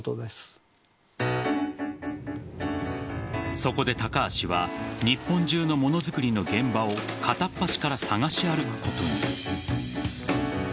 そこで高橋は日本中のものづくりの現場を片っ端から探し歩くことに。